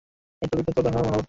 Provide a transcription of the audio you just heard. একটি বিখ্যাত উদাহরণ হল "মানবতা"।